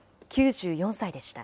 ９４歳でした。